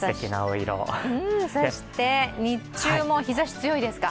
そして日中も日ざし強いですか。